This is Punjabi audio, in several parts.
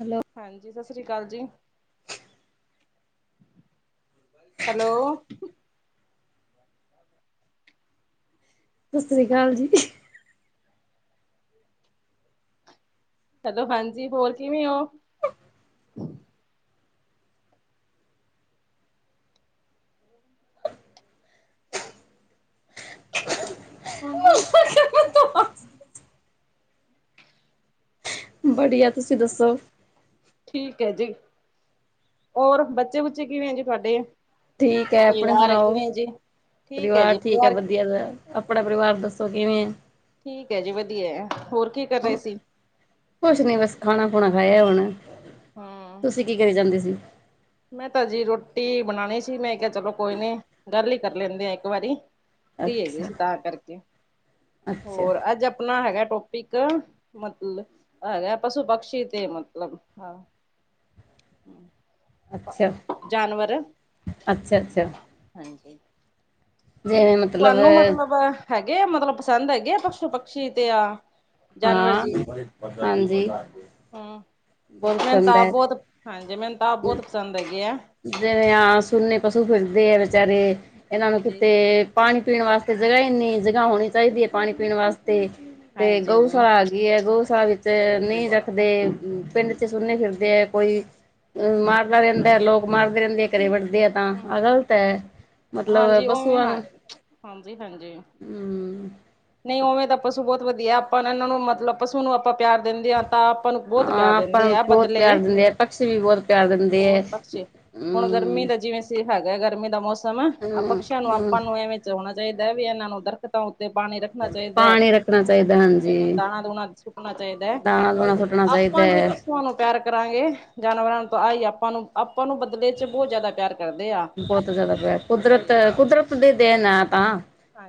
ਹੈਲੋ ਹਾਂਜੀ ਸਤਿ ਸ੍ਰੀ ਅਕਾਲ ਜੀ ਹੈਲੋ ਸਤਿ ਸ੍ਰੀ ਅਕਾਲ ਜੀ ਚਲੋ ਹਾਂਜੀ ਹੋਰ ਕਿਵੇਂ ਹੋ ਬੜੀਆ ਤੁਸੀਂ ਦੱਸੋ ਠੀਕ ਹੈ ਜੀ ਹੋਰ ਬੱਚੇ ਬੁੱਚੇ ਕਿਵੇਂ ਹੈ ਜੀ ਤੁਹਾੱਡੇ ਠੀਕ ਹੈ ਆਪਣੇ ਸੁਣਾਓ ਪਰਿਵਾਰ ਠੀਕ ਹੈ ਵਧੀਆ ਦਾ ਆਪਣਾ ਪਰਿਵਾਰ ਦੱਸੋ ਕਿਵੇਂ ਏ ਠੀਕ ਹੈ ਜੀ ਵਧੀਆ ਹੈ ਹੋਰ ਕੀ ਕਰ ਰਹੇ ਸੀ ਕੁੱਛ ਨੀ ਬੱਸ ਖਾਣਾ ਖੂਣਾ ਖਾਇਆ ਹੁਣ ਹਮ ਤੁਸੀਂ ਕੀ ਕਰੀ ਜਾਂਦੇ ਸੀ ਮੈਂ ਹਜੇ ਰੋਟੀ ਬਣਾਉਣੀ ਸੀ ਮੈਂ ਕਿਹਾ ਚਲੋ ਕੋਈ ਨੀ ਗੱਲ ਹੀ ਕਰ ਲੈਂਦੇ ਆ ਇੱਕ ਵਾਰੀ ਫਰੀ ਹੈਗੇ ਅੱਛਾ ਸੀ ਤਾਂ ਕਰਕੇ, ਅੱਛਾ ਹੋਰ ਅੱਜ ਆਪਣਾ ਹੈਗਾ ਟੋਪਿਕ ਮੱਤਲਬ ਹੈਗਾ ਪਸ਼ੂ ਪਕਸ਼ੀ ਤੇ ਮੱਤਲਬ ਹਾਂ ਅੱਛਾ ਜਾਂਨਵਰ ਅੱਛਾ ਅੱਛਾ ਹਾਂਜੀ ਜਿਵੇਂ ਮਤਲਬ ਤੁਹਾਨੂੰ ਮੱਤਲਬ ਹੈਗੇ ਹੈ ਮਤਲੱਬ ਪਸੰਦ ਹੈਗੇ ਆ ਪਸ਼ੂ ਪਕਸ਼ੀ ਤੇ ਆ ਜਾਨਵਰ ਜੀ ਹਾਂ ਹਾਂਜੀ ਹਮ ਬਹੁਤ ਮੈਨੂੰ ਪਸੰਦ ਤਾਂ ਆਪ ਹੈ ਬਹੁਤ ਹਾਂਜੀ ਮੈਨੂੰ ਤਾਂ ਆਪ ਬਹੁੱਤ ਪਸੰਦ ਹੈਗੇ ਆ ਜਿਵੇਂ ਆ ਸੁਨੇ ਪਸ਼ੂ ਫਿਰਦੇ ਆ ਵਚਾਰੇ ਇਹਨਾਂ ਨੂੰ ਹਾਂਜੀ ਕਿੱਤੇ ਪਾਣੀ ਪੀਣ ਵਾਸਤੇ ਜਗ੍ਹਾ ਇਨੀ ਜਗ੍ਹਾ ਹੋਣੀ ਚਾਹੀਦੀ ਹੈ ਪਾਣੀ ਪੀਣ ਵਾਸਤੇ ਤੇ ਹਾਂਜੀ ਹਮ ਗਊਸ਼ਾਲਾ ਹੇਗੀ ਹੈ ਗਊਸ਼ਾਲਾ ਵਿੱਚ ਨਹੀਂ ਰੱਖਦੇ ਪਿੰਡ ਚ ਸੁਨੇ ਫਿਰਦੇ ਹੈ ਕੋਈ ਮਾਰਦਾ ਰਹਿੰਦਾ ਹੈ ਲੋਕ ਮਾਰਦੇ ਰਹਿੰਦੇ ਆ ਘਰੇ ਵੱਅੜਦੇ ਆ ਤਾਂ ਆਹ ਗ਼ਲਤ ਹੈ ਮੱਤਲਬ ਹਾਂਜੀ ਪਸ਼ੂ ਉਵੇਂ ਆ ਹਾਂ ਨੂੰ ਹਾਂਜੀ ਹਾਂਜੀ ਹਮ ਨਹੀਂ ਉਵੇਂ ਤਾਂ ਪਸ਼ੂ ਬਹੁਤ ਵਧੀਆ ਆਪਾਂ ਇਹਨਾਂ ਨੂੰ ਮੱਤਲਬ ਪਸ਼ੂ ਨੂੰ ਆਪਾਂ ਪਿਆਰ ਦਿੰਦੇ ਹਾਂ ਤਾਂ ਆਪਾਂ ਨੂੰ ਬਹੁਤ ਕਹਿ ਹਾਂ ਆਪਾਂ ਦਿੰਦੇ ਨੂੰ ਆ ਬਹੁਤ ਪਤਲੇ ਪਿਆਰ ਦਿੰਦੇ ਆ ਪਕਸ਼ੀ ਵੀ ਬਹੁਤ ਪਿਆਰ ਦਿੰਦੇ ਹੈ ਬਹੁੱਤ ਪਾਸੇ ਹੁਣ ਗਰਮੀ ਹਮ ਦਾ ਜਿਵੇਂ ਸੀ ਹੈਗਾ ਗਰਮੀ ਦਾ ਮੌਸਮ ਆਹ ਹਮ ਪਕਸ਼ੀਆਂ ਨੂੰ ਹਮ ਆਪਾਂ ਨੂੰ ਇਵੇਂ ਚ ਹੋਣਾ ਚਾਹੀਦਾ ਵੀ ਇਹਨਾਂ ਨੂੰ ਉਧਰ ਕਂਧਾ ਉੱਤੇ ਪਾਣੀ ਰੱਖੋ ਹੋਣਾ ਚਾਹੀਦਾ ਹੈ ਪਾਣੀ ਰੱਖਣਾ ਚਾਹੀਦਾ ਹਾਂਜੀ ਦਾਣਾ ਦੁਣਾ ਸੁੱਟਣਾ ਚਾਹੀਦਾ ਹੈ ਦਾਣਾ ਤੇ ਦੂਣਾ ਸੁੱਟਣਾ ਚਾਹੀਦਾ ਆਪਾਂ ਜੇ ਹੈ। ਪਸ਼ੂਆਂ ਨੂੰ ਪਿਆਰ ਕਰਾਂਗੇ ਜਾਨਵਰਾਂ ਤੋਂ ਆਈ ਆਪਾਂ ਨੂੰ ਆਪਾਂ ਨੂੰ ਬਦਲੇ ਚੱ ਬਹੁੱਤ ਜ਼ਿਆਦਾ ਪਿਆਰ ਕਰਦੇ ਆ ਬਹੁਤ ਜ਼ਿਆਦਾ ਪਿਆਰ ਕੁਦਰਤ ਹਾਂਜੀ ਕੁਦਰਤ ਦੇ ਦੇਨ ਹੈ ਤਾਂ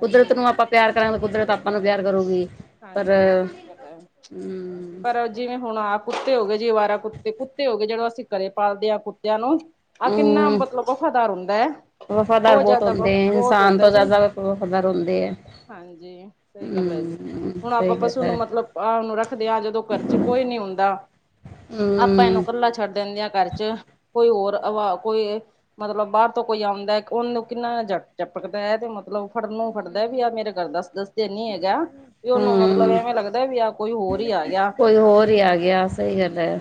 ਕੁਦਰਤ ਨੂੰ ਆਪਾਂ ਪਿਆਰ ਕਰਾਗੇ ਕੁਦਰਤ ਆਪਾਂ ਨੂੰ ਪਿਆਰ ਕਰੂਗੀ ਪਰ ਹਾਂਜੀ ਸਹੀ ਗੱਲ ਹੈ ਹਮ ਪਰ ਜਿਵੇਂ ਹੁਣ ਆਹ ਕੁੱਤੇ ਹੋ ਗਏ ਜੀ ਅਵਾਰਾ ਕੁੱਤੇ ਕੁੱਤੇ ਹੋ ਗਏ ਜਿਹੜੋਂ ਅਸੀਂ ਘਰੇ ਪਾਲਦੇ ਹਾਂ ਕੁੱਤਿਆਂ ਨੂੰ ਆਹ ਕਿੰਨਾ ਹਮ ਮੱਤਲਬ ਵਫ਼ਾਦਾਰ ਹੁੰਦਾ ਹੈ ਵਫ਼ਾਦਾਰ ਬਹੁਤ ਜ਼ਿਆਦਾ ਵ ਹੁੰਦੇ ਹੈ ਬਹੁਤ ਇਨਸਾਨ ਹੁੰਦਾ ਤੋਂ ਜੀ ਜ਼ਿਆਦਾ ਵਫ਼ਾਦਾਰ ਹੁੰਦੇ ਹੈ ਹਾਂਜੀ ਸਹੀ ਗੱਲ ਹੈ ਜੀ ਹਮ ਹੁਣ ਸਹੀ ਆਪਾਂ ਗੱਲ ਪਸ਼ੂ ਹੈ ਨੂੰ ਮੱਤਲਬ ਆ ਓਨੂੰ ਰੱਖਦੇ ਆਂ, ਜਦੋਂ ਘਰ ਚ ਕੋਈ ਨੀ ਹੁੰਦਾ। ਆਪਾਂ ਏਨੂੰ ਹਮ ਕੱਲਾ ਛੱਡ ਦੇਨੇ ਆਂ ਘਰ ਚ ਕੋਈ ਹੋਰ ਆਵਾਰਾ ਕੋਈ ਮੱਤਲਬ ਬਾਰ ਤੋਂ ਕੋਈ ਆਂਦਾ ਐ ਓਨੂੰ ਕਿੰਨਾ ਜ ਜਪਕੱਦਾ ਐ ਤੇ ਮੱਤਲਬ ਫੜਨ ਨੂੰ ਫੜੱਦਾ ਵੀ ਆਹ ਮੇਰੇ ਘਰ ਦੱਸ ਦੱਸ ਦਿਨ ਨੀ ਹੈਗਾ। ਵੀ ਉਹਨੂੰ ਮੱਤਲਬ ਹਮ ਐਵੇਂ ਲੱਗਦਾ ਵੀ ਆਹ ਕੋਈ ਹੋਰ ਹੀ ਆ ਗਿਆ ਕੋਈ ਹੋਰ ਤੇ ਹੀ ਆ ਗਿਆ ਸਹੀ ਗੱਲ ਹਾਂਜੀ ਹੈ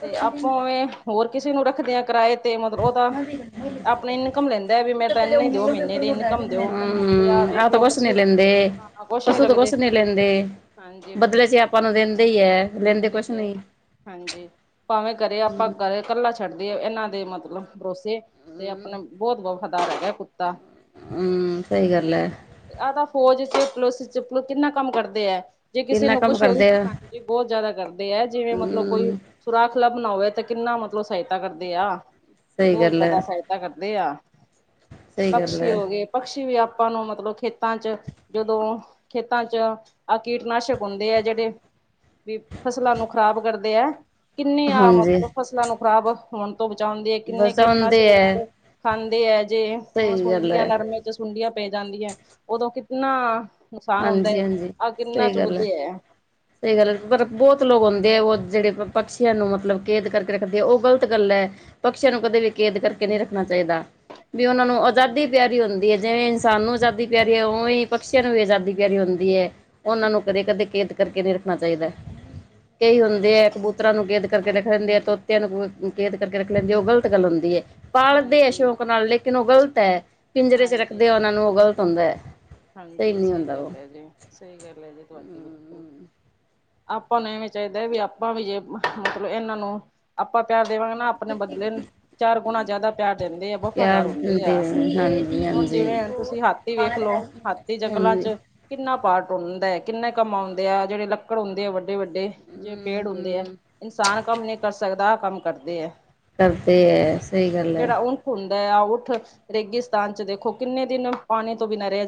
ਤੇ ਆਪਾਂ ਵੀ ਹੋਰ ਕਿਸੇ ਨੂੰ ਰੱਖਦੇ ਆਂ ਕਿਰਾਏ ਤੇ ਮੱਤਲਬ ਉਹ ਤਾਂ ਆਪਨੀ ਇਨਕਮ ਲੈਂਦਾ, ਵੀ ਮੇਰੇ ਤਾਂ ਇਹਨੇ ਦਿਓ ਮਹੀਨੇ ਦੀ ਇਨਕਮ। ਦਿਓ ਤੇ ਆ ਹਮ ਵੇਖ ਆਹ ਤਾਂ ਲਓ ਕੁਛ ਨੀ ਪਸ਼ੂ ਲੈਂਦੇ ਆ ਕੁਛ ਨੀ ਲੱਗਦੇ। ਲੈਂਦੇ, ਹਾਂਜੀ ਬਦਲੇ ਚ ਆਪਾਂ ਨੂੰ ਦੇਂਦੇ ਹੀ ਐ ਲੈਂਦੇ ਦਿੰਦੇ ਕੁਛ ਹੀ ਹੈ ਨੀ। ਹਾਂਜੀ, ਭਾਵੇਂ ਘਰੇ ਆਪਾਂ ਗੱਲ ਕੱਲਾ ਛੱਡ ਦਈਏ ਏਨਾਂ ਦੇ ਮਤਲਬ ਭਰੋਸੇ ਤੇ ਆਪਣੇ ਬਹੋਤ ਵਫ਼ਾਦਾਰ ਹੈਗਾ ਕੁੱਤਾ। ਹੂੰ, ਸਹੀ ਗੱਲ ਐ। ਆਹ ਤਾਂ ਫੌਜ ਚ, ਪੁਲਿਸ ਚ [unintelligible] ਕਿੰਨਾ ਕੰਮ ਕਰਦੇ ਐ। ਜੇ ਕਿਸੇ ਕਿੰਨਾ ਨੂੰ ਕੰਮ ਕੁਛ, ਕਰਦੇ ਆ ਹਾਂਜੀ ਬੋਤ ਜਾਦਾ ਕਰਦੇ ਹੈ ਜਿਵੇਂ ਮਤਲਬ ਕੋਈ ਹਮ ਸੁਰਾਖ ਲੱਭਣਾ ਹੋਵੇ ਤੇ ਕਿੰਨਾ ਮਤਲਬ ਸਹਾਇਤਾ ਕਰਦੇ ਆ, ਸਹੀ ਬੋਤ ਗੱਲ ਹੈ ਜਾਦਾ ਫਾਇਦਾ ਤਾ ਕਰਦੇ ਆ, ਸਹੀ ਗੱਲ ਪਕਸ਼ੀ ਹੈ ਹੋ ਗੇ। ਪਕਸ਼ੀ ਵੀ ਆਪਾਂ ਨੂੰ ਮਤਲਬ ਖੇਤਾਂ ਚ ਜਦੋਂ ਖੇਤਾਂ ਚ ਆਹ ਕੀਟਨਾਸ਼ਕ ਹੁੰਦੇ ਆ ਜਿਹੜੇ ਵੀ ਫਸਲਾਂ ਨੂੰ ਖ਼ਰਾਬ ਕਰਦੇ ਐ। ਕਿੰਨੀ ਆ ਹਾਂਜੀ ਮਤਲਬ ਫਸਲਾਂ ਨੂੰ ਖਰਾਬ ਹੋਣ ਤੋਂ ਬਚਾਉਣ ਦੀ ਐ ਕਿੰਨੇ ਕੀਟਨਾਸ਼ਕ ਵਸਾਉਂਦੇ ਹੈ ਖਾਂਦੇ ਐ ਜੇ ਹੁਣ ਸਹੀ ਗੱਲ ਸੁੰਡੀਆਂ ਹੈ ਨਰਮੇ ਚ ਸੁੰਡੀਆਂ ਪੈ ਜਾਂਦੀ ਐ ਉਦੋਂ ਕਿਤਨਾ ਨੁਕਸਾਨ ਹੁੰਦਾ ਹਾਂਜੀ ਹੈ, ਹਾਂਜੀ ਆਹ ਕਿੰਨਾ ਸਹੀ ਗੱਲ ਚੁੱਕਦੇ ਹੈ ਐ। ਸਹੀ ਗੱਲ ਪਰ ਬਹੁਤ ਲੋਕ ਹੁੰਦੇ ਐ ਉਹ ਜਿਹੜੇ ਪਕਸ਼ੀਆਂ ਨੂੰ ਮਤਲਬ ਕੈਦ ਕਰਕੇ ਰੱਖਦੇ, ਓ ਗਲਤ ਗੱਲ ਐ। ਪਕਸ਼ੀਆਂ ਨੂੰ ਕਦੇ ਵੀ ਕੇੇਦ ਕਰਕੇ ਨਹੀਂ ਰੱਖਣਾ ਚਾਹੀਦਾ ਵੀ ਉਹਨਾਂ ਨੂੰ ਆਜ਼ਾਦੀ ਹਾਂਜੀ। ਪਿਆਰੀ ਹੁੰਦੀ ਐ, ਜਿਵੇਂ ਇਨਸਾਨ ਨੂੰ ਆਜ਼ਾਦੀ ਪਿਆਰੀ ਐ ਉਵੇਂ ਪਕਸੀਆਂ ਨੂੰ ਵੀ ਆਜ਼ਾਦੀ ਦੀ ਪਿਆਰੀ ਹੁੰਦੀ ਹੈ ਉਹਨਾਂ ਨੂੰ ਕਦੇ ਕਦੇ ਕੇਦ ਕਰਕੇ ਨਹੀਂ ਰੱਖਣਾ ਚਾਹੀਦਾ। ਕਈ ਹੁੰਦੇ ਐ ਕਬੂਤਰਾਂ ਨੂੰ ਗੇਦ ਕਰਕੇ ਰੱਖ ਦੇਂਦੇ ਐ ਤੋ ਹਾਂਜੀ [unintelligible] ਕੇਦ ਕਰਕੇ ਰੱਖ ਲੈਂਦੀ ਉਹ ਗ਼ਲਤ ਗੱਲ ਹੁੰਦੀ ਐ, ਪਾਲਦੇ ਐ ਹਾਂਜੀ ਸ਼ੌਕ ਨਾਲ ਲੇਕਿਨ ਉਹ ਗ਼ਲਤ ਐ। ਪਿੰਜਰੇ ਚ ਹਾਂਜੀ ਰੱਖਦੇ ਓਨਾ ਨੂੰ ਉਹ ਗ਼ਲਤ ਹੁੰਦਾ ਐ। ਹਾਂਜੀ ਸਹੀ ਗੱਲ ਐ ਜੀ, ਸਹੀ ਗੱਲ ਹੈ ਜੀ ਤੁਹਾਡੀ। ਆਪਾਂ ਨੂੰ ਇਵੇਂ ਚਾਹੀਦਾ ਵੀ ਆਪਾਂ ਵੀ ਜੇ ਮਤਲਬ ਏਨਾਂ ਨੂੰ ਆਪਾਂ ਪਿਆਰ ਦੇਵਾਂਗੇ ਨਾ, ਆਪਣੇ ਬਦਲੇ ਨੂੰ ਚਾਰ ਗੁਣਾ ਜਿਆਦਾ ਪਿਆਰ ਦਿੰਦੇ ਆ ਪਿਆਰ ਵਫ਼ਾਦਾਰ ਹੁੰਦੇ ਦਿੰਦੇ ਆ। ਹਨ। ਹਾਂਜੀ ਹੁਣ ਹਾਂਜੀ ਜਿਵੇਂ ਤੁਸੀਂ ਹਾਥੀ ਵੇਖ ਲੋ। ਹਾਥੀ ਜੰਗਲਾਂ ਹਾਂਜੀ ਚ ਹਮ ਕਿੰਨਾ ਭਾਰ ਡੂੰਦਾ ਐ ਕਿੰਨੇ ਕੰਮ ਆਉਂਦੇ ਆ ਜਿਹੜੇ ਲੱਕੜ ਹੁੰਦੇ ਆ ਵੱਡੇ ਵੱਡੇ-ਵੱਡੇ ਜਿਵੇਂ ਪੇੜ ਹੁੰਦੇ ਐ, ਹਮ ਇਨਸਾਨ ਕੰਮ ਨਹੀਂ ਕਰ ਸਕਦਾ ਕੰਮ ਕਰਦੇ ਐ। ਕਰਦੇ ਐ, ਸਹੀ ਗੱਲ ਐ। ਹੁੰਦਾ ਆ ਊਠ ਰੇਗਿਸਤਾਨ ਚ ਦੇਖੋ ਕਿੰਨੇ ਦਿਨ ਪਾਣੀ ਤੋਂ ਬਿਨਾ ਰਹ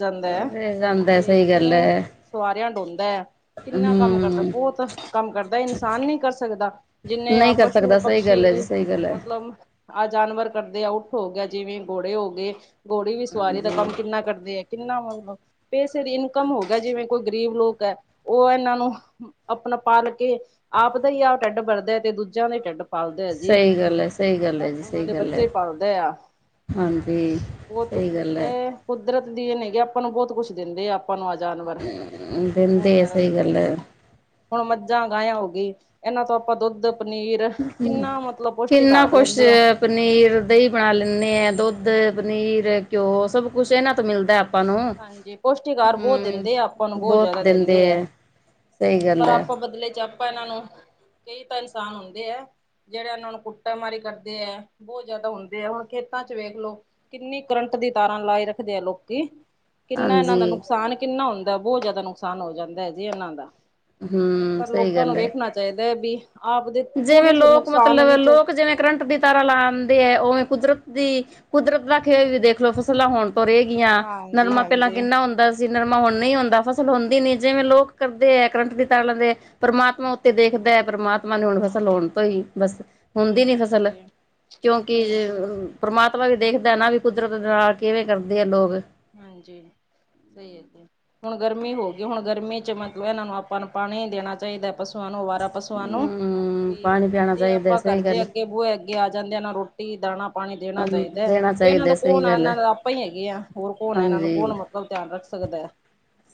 ਰਹ ਜਾਂਦਾ ਐ, ਸਹੀ ਗੱਲ ਐ। ਸਵਾਰਿਆਂ ਡੋਂਦਾ ਹੈ, ਕਿੰਨਾ ਕੰਮ ਕਰਦਾ, ਬੋਤ ਕੰਮ ਕਰਦਾ ਇਨਸਾਨ ਨੀ ਕਰ ਸਕਦਾ। ਜਿੰਨੇ ਆ ਨਹੀਂ ਕਰ ਸਕਦਾ ਸਹੀ ਗੱਲ ਹੈ ਜੀ ਪਸ਼ੂ-ਪਕਸ਼ੀ ਸਹੀ ਗੱਲ ਹੈ ਮਤਲਬ ਆਹ ਜਾਨਵਰ ਕਰਦੇ ਆ, ਊੱਠ ਹੋ ਗਿਆ ਜਿਵੇਂ, ਘੋੜੇ ਹੋ ਗਏ, ਘੋੜੇ ਵੀ ਸਵਾਰੀ ਦਾ ਹਾਂਜੀ ਕੰਮ ਕਿੰਨਾ ਕਰਦੇ ਐ। ਕਿੰਨਾ ਮਤਲਬ ਪੈਸੇ ਦੀ ਇਨਕਮ ਹੋ ਗਿਆ, ਜਿਵੇਂ ਕੋਈ ਗਰੀਬ ਲੋਕ ਐ ਓ ਏਨਾਂ ਨੂੰ ਆਪਣਾ ਪਾਲ ਕੇ ਆਪ ਦਾ ਹੀ ਆਪ ਹੀ ਢਿੱਡ ਵਰਦਾ ਤੇ ਦੂਜਿਆਂ ਦਾ ਢਿੱਡ ਪਾਲਦੇ ਐ ਜੀ, ਸਹੀ ਗੱਲ ਹੈ ਸਹੀ ਗੱਲ ਹੈ ਜੀ ਓਨਾਂ ਸਹੀ ਦੇ ਗੱਲ ਬੱਚੇ ਹੈ ਹੀ ਪਲਦੇ ਆ। ਹਾਂਜੀ ਬਹੁਤ ਸਹੀ ਗੱਲ ਐ। ਇਹ ਕੁਦਰਤ ਦੀ ਇਹ ਨੇਗੇ ਆਪਾਂ ਨੂੰ ਬਹੁਤ ਕੁਛ ਦੇਂਦੇ ਆ। [unintelligible] ਜਾਨਵਰ ਬੋਤ ਦਿੰਦੇ ਹੈ ਜਿਆਦਾ ਸਹੀ ਦੇਂਦੇ। ਗੱਲ ਹੈ ਹੁਣ ਮੱਝਾਂ ਗਾਇ ਹੋ ਗੀ, ਏਨਾਂ ਤੋਂ ਆਪਾਂ ਦੁੱਧ ਪਨੀਰ [unintelligible] ਕਿੰਨਾ ਮਤਲਬ ਪੌਸ਼ਟਿਕ ਕਿੰਨਾ ਆਹਾਰ ਕੁਛ ਲੈਂਦੇ ਆ ਪਨੀਰ, ਦਹੀਂ ਬਣਾ ਲੈਣੇ ਆ ਹਾਂਜੀ ਦੁੱਧ ਧ ਪਨੀਰ ਘਿਓ ਸਭ ਕੁੱਛ ਇਹਨਾਂ ਤੋਂ ਮਿਲਦਾ। ਨੂੰ ਹਾਂਜੀ, ਪੋਸ਼ਟੀਕਾਰ ਬਹੁਤ ਦਿੰਦੇ ਆ ਅਪਾਂ ਨੂੰ ਬੌਤ ਜੈਦਾ ਦਿੰਦੇ ਐ। ਸਹੀ ਗੱਲ ਪਰ ਐ, ਆਪਾਂ ਬਦਲੇ ਚ ਆਪਾਂ ਇਹਨਾਂ ਨੂੰ, ਕਈ ਤਾਂ ਇਨਸਾਨ ਹੁੰਦੇ ਐ। ਜੇੜੇ ਇਹਨਾਂ ਨੂੰ ਕੁੱਟਾ ਮਾਰੀ ਕਰਦੇ ਐ, ਬੌਤ ਜੈਦਾ ਹੁੰਦੇ ਐ, ਹੁਣ ਖੇਤਾਂ ਚ ਵੇਖ ਲੋ। ਕਿੰਨੀ ਕਰੰਟ ਦੀ ਤਾਰਾਂ ਲਾਈ ਰੱਖਦੇ ਆ ਲੋਕੀ। ਕਿੰਨਾ ਏਨਾਂ ਦਾ ਹਾਂਜੀ ਨੁਕਸਾਨ ਕਿੰਨਾ ਹੁੰਦਾ, ਬੋਤ ਜਾਦਾ ਨੁਕਸਾਨ ਹੋ ਜਾਂਦਾ ਹੈ ਜੀ ਏਨਾਂ ਦਾ। ਹੂੰ ਪਰ ਸਹੀ ਲੋਕਾਂ ਨੂੰ ਗੱਲ ਐ। ਵੇਖਣਾ ਚਾਈਦਾ ਬੀ ਜਿਵੇਂ ਲੋਕ ਮਤਲਬ ਲੋਕ ਜਿਵੇਂ ਕਰੰਟ ਦਿ ਤਾਰਾ ਲਾਂਦੇ ਏ ਉਵੇਂ ਕੁਦਰਤ ਦੀ ਕੁਦਰਤ ਦਾ ਖੇਲ ਵੀ ਦੇਖਲੋ ਫਸਲਾਂ ਹੋਣ ਤੁਰੇ ਗੀਆਂ ਹਾਂਜੀ ਨਰਮਾ ਪੇਲਾਂ ਹਾਂਜੀ ਕਿੰਨਾ ਹੁੰਦਾ ਜੀ ਨਰਮਾ ਹੁਨ ਨੀ ਹੁੰਦਾ ਫਸਲ ਹੁੰਦੀ ਨੀ ਜਿਵੇਂ ਲੋਕ ਕਰਦੇ ਏ ਕਰੰਟ ਦੀ ਤਾਰਾ ਲਾਂਦੇ ਐ। ਪਰਮਾਤਮਾ ਉੱਤੇ ਦੇਖਦੇ ਪਰਮਾ ਤਮਾ ਨੂੰ ਹੁਣ ਫਸਲ ਹੋਣ ਤੋਂ ਈ ਬਸ ਹੁੰਦੀ ਨੀ ਫਸਲ ਹਾਂਜੀ ਕਿਉਂਕਿ ਹਾਂਜੀ [unintelligible] ਪਰਮਾਤਮਾ ਵੀ ਦੇਖਦਾ ਏ ਨਾ ਵੀ ਕੁਦਰਤ ਦੇ ਨਾਲ ਕਿਵੇਂ ਕਰਦੇ ਆ ਲੋਕ ਹਾਂਜੀ, ਸਹੀ ਏ ਜੀ਼ ਹੁਨ ਗਰਮੀ ਹੋ ਗਈ ਹੁਨ ਗਰਮੀ ਚ ਮਤਲਬ ਇਹਨਾਂ ਨੂੰ ਆਪਾਂ ਨੂੰ ਪਾਨੀ ਦੇਨਾ ਚਾਈਦਾ ਪਸੂਆਂ ਨੂੰ ਅਵਾਰਾ ਪਸੂਆਂ ਨੂੰ। ਹਮ ਪਾਣੀ ਪਿਆਣਾ ਜੇ ਚਾਹੀਦਾ ਆਪਾਂ ਸਹੀ ਕਰਜੇ ਗੱਲ ਅੱਗੇ ਹੈ ਬੂਏ ਅੱਗੇ ਆ ਜਾਂਦੇ ਆ ਨਾ ਰੋਟੀ ਦਾਨਾ ਪਾਨੀ ਦੇਨਾ ਚਾਈਦਾ ਐ ਦੇਣਾ ਇਹਨਾਂ ਚਾਹੀਦਾ ਦਾ ਸਹੀ ਕੌਣ ਆ ਗੱਲ ਇਹਨਾਂ ਹੈ ਤਾਂ ਆਪਾਂ ਈ ਹੈਗੇ ਆ ਹੋਰ ਕੌਣ ਇਹਨਾਂ ਨੂੰ ਕੌਣ ਹਾਂਜੀ ਮਤਲਬ ਧਿਆਨ ਰੱਖ ਸਕਦਾ,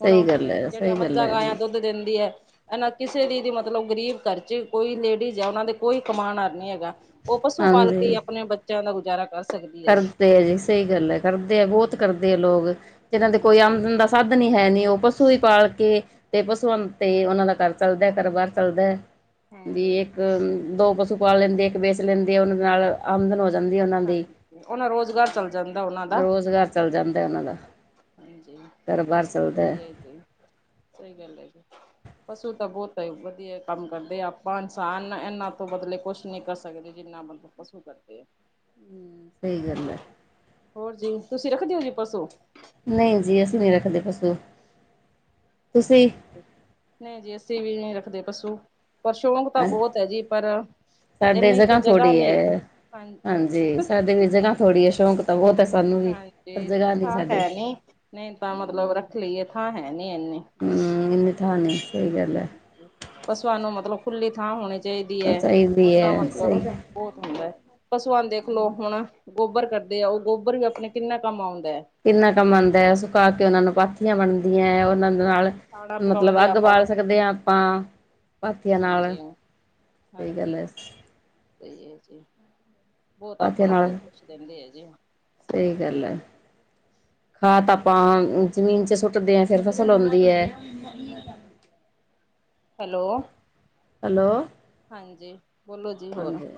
ਹੁਣ ਸਹੀ ਗੱਲ ਹੈ ਜਿਹੜੀਆਂ ਸਹੀ ਗੱਲ ਮੱਝਾਂ ਹੈ ਗਾਇਆ ਜੀ ਦੁ ਦੁਧ ਦਿੰਦੀ ਐ। ਇਹਨਾ ਕਿਸੇ ਦੀ ਵੀ ਮਤਲਬ ਗਰੀਬ ਘਰ ਚ ਕੋਈ ਲੇਡੀਜ਼ ਏ ਉਨਾ ਦੇ ਕੋਈ ਕਮਾਣ ਆਲ ਨੀ ਐਗਾ ਓ ਪਸ਼ੂ ਪਾਲ ਕੇ ਈ ਹਾਂਜੀ ਅਪਣੇ ਬੱਚਿਆਂ ਦਾ ਗੁਜ਼ਾਰਾ ਕਰ ਸਕਦੀ ਹੈ ਕਰਦੇ ਏ ਜੀ ਸਈ ਗੱਲ ਏ, ਕਰਦੇ ਆ ਬੋਤ ਕਰਦੇ ਆ ਲੋਕ, ਜਿਹਨਾਂ ਦੇ ਕੋਈ ਹਾਂਜੀ ਆਮਦਨ ਦਾ ਸਾਧਣ ਈ ਹੈ ਨੀ ਉਹ ਪਸੂ ਹੀ ਪਾਲ ਕੇ ਤੇ ਪਸ਼ੂਆਂ ਤੇ ਉਹਨਾਂ ਦਾ ਘਰ ਚੱਲਦਾ ਘਰਬਾਰ ਚੱਲਦਾ। ਵੀ ਹਾਂਜੀ ਇੱਕ ਦੋ ਪਸੂ ਪਾ ਲੈਂਦੇ‌ਐ, ਇੱਕ ਵੇਚ ਲੈਂਦੇ ਆ ਉਨਾਂ ਦੇ ਨਾਲ ਆਮਦਨ ਜਾਂਦੀ ਉਨਾਂ ਦੀ, ਹਾਂਜੀ ਉਹਨਾਂ ਰੋਜ਼ਗਾਰ ਚੱਲ ਜਾਂਦਾ ਉਹਨਾਂ ਦਾ ਰੋਜ਼ਗਾਰ ਚੱਲ ਜਾਂਦਾ ਉਨਾਂ ਦਾ ਘਰਬਾਰ ਚਲਦਾ। ਸਈ ਗੱਲ ਏ ਜੀ। [inaudible] ਪਸੂ ਤਾਂ ਬੌਤ [unintelligible] ਵਦੀਆ ਕੰਮ ਕਰਦੇ ਅਪਾਂ ਇਨਸਾਨ ਇਹਨਾਂ ਤੋਂ ਬਦਲੇ ਕੁਛ ਨੀ ਕਰ ਸਕਦੇ ਜਿੰਨਾ ਮਤਲਬ ਪਸੁ ਕਰਦੇ ਐ। ਸਈ ਗੱਲ ਐ। ਹੋਰ ਜੀ, ਤੁਸੀਂ ਰੱਖਦੇ ਓ ਜੀ ਪਸੁ ਨਈ ਜੀ ਅਸੀਂ ਨੀ ਰੱਖਦੇ ਪਸੂ ਤੁਸੀਂ ਨਈ ਜੀ ਅੱਸੀ ਵੀ ਨੀ ਰੱਖਦੇ ਪਸੂ। ਪਰ ਸ਼ੌਕ ਤਾਂ ਬੌਤ ਏ ਜੀ ਪਰ ਇਨੀ ਤਾਂ ਜਗ੍ਹਾ ਨੀ ਹੈ ਹਾਂਜੀ। ਸਾਡੇ ਵੀ ਜਗਾ ਥੋੜੀ ਐ ਸ਼ੌਕ ਓ ਤੇ ਸਾਨੂੰ ਵੀ ਪਰ ਹਾਂਜੀ, ਜਗ੍ਹਾ ਨਹੀਂ ਥਾਂ ਸਾਡੇ ਹੈ ਨੀ, ਨਈ ਤਾਂ ਮਤਲਬ ਰੱਖ ਲਈਏ, ਥਾਂ ਹੈ ਨੀ ਇਨੀ ਹੂੰ, ਇਨੀ ਥਾਂ ਨਈ, ਸਈ ਗੱਲ ਐ। ਪਸੂਆਂ ਨੂੰ ਮਤਲਬ ਖੁੱਲੀ ਥਾਂ ਹੋਨੀ ਚਾਇਦੀ ਏ ਸਈ ਪਸੂਆ ਨੂੰ ਦੇਖਲਓ ਹੁਣ ਗੋਬਰ ਕਰਦੇ ਆ, ਓ ਗੋਬਰ ਵੀ ਅਪਣੇ ਕਿੰਨਾ ਕੰਮ ਆਉਂਦਾ। ਕਿੰਨਾ ਕੰਮ ਆਂਦਾ, ਸੁਕਾ ਕੇ ਉਨਾਂ ਨੂੰ ਪਾਥ ਥੀਆ ਬਣਦੀਆਂ ਐ, ਉਹਨਾਂ ਦੇ ਹਾਂਜੀ ਨਾਲ ਖਾਣਾ ਮਤਲਬ ਪਕਾਉਂਦੇ ਅੱਗ ਆਪਾਂ ਬਾਲ ਸਕਦੇ ਆ ਅਪਾਂ। ਪਾਥੀਆਂ ਨਾਲ, ਹਾਂਜੀ ਸਈ ਗੱਲ ਹਾਂਜੀ ਐ। ਸਹੀ ਏ ਜੀ, ਬੌਤ ਆਪਾਂ ਨੂੰ ਬੌਤ ਕੁਛ ਦੇਂਦੇ ਏ ਜੀ। ਸਈ ਗੱਲ ਐ, ਖਾਤ ਆਪਾਂ ਜ਼ਮੀਨ ਚ ਸੁੱਟਦੇ ਆ ਫਿਰ ਫਸਲ ਹੁੰਦੀ ਏ [inaudible] ਹੈਲੋ ਹੈਲੋ ਹਾਂਜੀ ਬੋਲੋ ਜੀ ਹੋਰ ਹਾਂਜੀ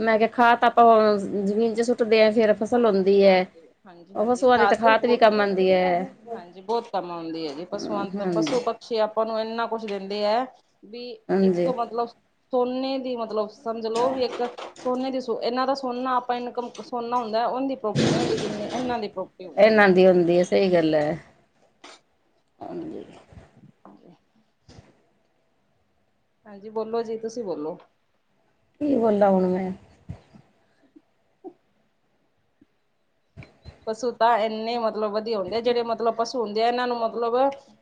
ਮੈਂ ਕਿਆ ਖਾ ਤਾਂ ਆਪਾਂ ਜ਼ਮੀਨ ਚ ਸੁੱਟਦੇ ਅ ਫੇਰ ਫ਼ਸਲ ਹੁੰਦੀ ਹਾਂਜੀ ਐ, ਹਾਂਜੀ ਹਾਂਜੀ ਉਹ ਤੋਂ ਹਾਂਜੀ ਸੂਆਂ ਦੀ ਘਰ ਤੇ ਦਾ ਹੀ ਖਾਦ ਵੀ ਬਹੁਤ ਕੰਮ ਆਂਦੀ ਐ। ਹਾਂਜੀ ਬਹੁਤ ਕੰਮ ਆਂਦੀ ਐ ਜੀ, ਪਸੂਆਂ ਪੂ ਹਾਂਜੀ ਪਿੱਛੇ ਆਪਾਂ ਨੂੰ ਇੰਨਾ ਕੁਛ ਦਿੰਦੇ ਐ, ਵੀ ਇੱਕ ਹਾਂਜੀ। ਮਤਲਬ ਸੋਨੇ ਦੀ ਮਤਲਬ। ਸਮਝ ਲਓ ਵੀ ਇੱਕ ਸੋਨੇ ਦੀ ਸ ਇਹਨਾਂ ਦਾ ਸੋਨਾ, ਆਪਾਂ ਇਨਕਮ ਸੋਨਾ ਹੁੰਦਾ ਉਹ ਦੀ ਪ੍ਰੋਪਰਟੀ ਨਹੀਂ ਹੁੰਦੀ, ਜਿੰਨੀ ਇਹਨਾਂ ਦੀ ਪ੍ਰੋਪਰਟੀ ਹੁੰਦੀ ਐ। [unintelligible] ਸਹੀ ਗੱਲ ਐ। ਹਾਂਜੀ। ਹਾਂਜੀ ਬੋਲੋ ਜੀ, ਤੁਸੀਂ ਬੋਲੋ। ਕੀ ਬੋਲਾਂ ਹੁਣ ਮੈਂ। ਪਸ਼ੂ ਤਾਂ ਇੰਨੇ ਮਤਲਬ ਵਧੀਆ ਹੁੰਦੇ ਆ, ਜਿਹੜੇ ਮਤਲਬ ਪਸ਼ੂ ਹੁੰਦੇ ਆ ਇਹਨਾਂ ਨੂੰ ਮਤਲਬ।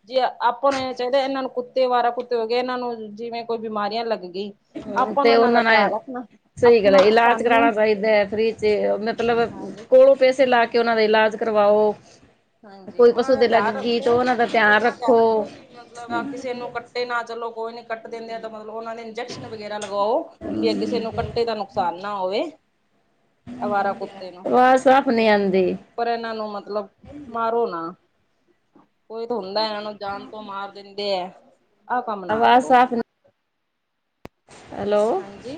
ਜੇ ਆਪਾਂ ਨੂੰ ਚਾਹੀਦਾ, ਇਹਨਾਂ ਨੂੰ ਕੁੱਤੇ ਅਵਾਰਾ ਕੁੱਤੇ ਹੋ ਗਏ, ਇਹਨਾਂ ਨੂੰ ਜਿਵੇਂ ਕੋਈ ਬਿਮਾਰੀਆਂ ਲੱਗ ਗਈ। ਆਪਾਂ ਨੂੰ ਤੇ ਇਹਨਾਂ ਦਾ ਉਹਨਾਂ ਨੇ ਧਿਆਨ ਰੱਖਣਾ। ਸਹੀ ਗੱਲ ਐ, ਆਪਣਾ ਇਲਾਜ ਸਾਨੂੰ ਕਰਾਉਣਾ ਚਾਹੀਦਾ ਐ ਫ੍ਰਰੀ ਚ‌, ਮਤਲਬ ਹਾਂਜੀ ਕੋਲੋਂ ਪੈਸੇ ਲਾ ਕੇ। ਕਿ ਉਹਨਾਂ ਦਾ ਇਲਾਜ ਕਰਵਾਓ। ਹਾਂਜੀ, ਕੋਈ ਉਹਨਾਂ ਪਸੂ ਦਾ ਦੇ ਧਿਆਨ ਲੱਗਗੀ ਤਾਂ ਰੱਖੋ ਉਹਨਾਂ ਦਾ ਵੀ, ਇਹਨਾਂ ਧਿਆਨ ਰੱਖੋ ਵੀ ਮਤਲਬ ਕਿਸੇ ਨੂੰ ਕੱ ਨਾ ਚਲੋ [unintelligible] ਕੱਟ ਦਿੰਦੇ ਆ ਤਾਂ ਮਤਲਬ ਉਹਨਾਂ ਦੇ ਇੰਜੈਕਸ਼ਨ ਵਗੈਰਾ ਲਗਾਓ, ਵੀ ਕਿਸੇ ਨੂੰ ਕੱਟੇ ਤਾਂ ਨੁਕਸਾਨ ਨਾ ਹੋਵੇ। ਅਵਾਰਾ ਕੁੱਤੇ ਨੂੰ ਅਵਾਜ਼ ਸਾਫ਼ ਨਹੀਂ ਆਂਦੀ। ਪਰ ਇਹਨਾਂ ਨੂੰ ਮਤਲਬ ਮਾਰੋ ਨਾ। ਕੋਈ ਤਾਂ ਹੁੰਦਾ ਇਹਨਾਂ ਨੂੰ ਜਾਣ ਤੋਂ ਮਾਰ ਦਿੰਦੇ ਏ, ਆਹ ਕੰਮ ਨਾ ਆਵਾਜ਼ ਕਰੋ। ਸਾਫ਼ ਹੈਲੋ, ਹਾਂਜੀ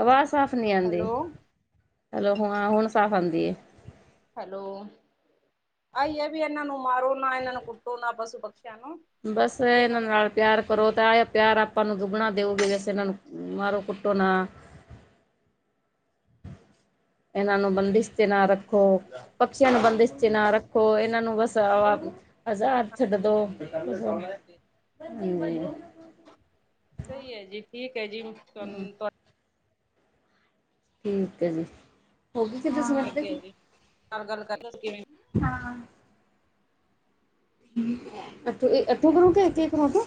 ਅਵਾਜ਼ ਸਾਫ਼ ਨੀ ਆਂਦੀ। ਹੈਲੋ ਹੈਲੋ, ਹਾਂ ਹੁਣ ਸਾਫ਼ ਆਂਦੀ ਏ। ਹੈਲੋ, ਆਹੀਏ ਵੀ ਇਹਨਾਂ ਨੂੰ ਮਾਰੋ ਨਾ, ਇਹਨਾਂ ਨੂੰ ਕੁੱਟੋ ਨਾ‌, ਪਸ਼ੂ ਪਖਸ਼ੀਆਂ ਨੂੰ। ਬਸ ਵੀ ਇਹਨਾਂ ਦਾ ਨਾਲ ਧਿਆਨ ਪਿਆਰ ਕਰੋ, ਤਾਂ ਆ ਪਿਆਰ ਆਪਾਂ ਨੂੰ ਦੁੱਗਣਾ ਰੱਖੋ ਦਿਓਗੇ ਹਾਂਜੀ ਵੈਸੇ ਇਹਨਾਂ ਨੂੰ। ਮਾਰੋ ਕੁੱਟੋ ਨਾ। ਇਹਨਾਂ ਨੂੰ ਬੰਦਿਸ਼ ਤੇ ਨਾ ਰੱਖੋ। ਪਕਸ਼ੀਆਂ ਨੂੰ ਬੰਦਿਸ਼ ਚ ਨਾ ਰੱਖੋ, ਇਹਨਾਂ ਨੂੰ ਬਸ ਹਵਾ। ਆਜ਼ਾਦ ਛੱਡ ਹਾਂਜੀ ਦੋ। ਹਾਂਜੀ ਹਾਂਜੀ ਸਹੀ ਐ ਜੀ, ਠੀਕ ਐ ਜੀ, ਤੂ ਠੀਕ ਐ ਜੀ। [unintelligible] ਅੱਗੇ ਜੀ, ਨਾਲ ਗੱਲ ਕਰ ਲਓ ਕਿਵੇਂ ਹਾਂ। ਇਥੋ, ਇਥੋ ਕਰੋਗੇ ਇੱਥੇ ਕਰੋ ਤੋਂ।